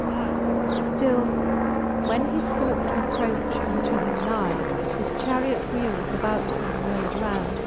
Still when he fought t'approch unto him ny, His charret whecles about him whirled round.